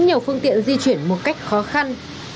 nhiều phương tiện di chuyển một cách khó khăn